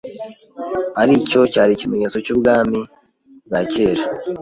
aricyo cyari ikimenyetso cy’Ubwami bwa kera,